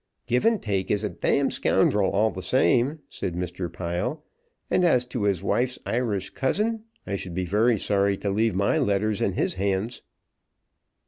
"Givantake is a d scoundrel all the same," said Mr. Pile; "and as for his wife's Irish cousin, I should be very sorry to leave my letters in his hands."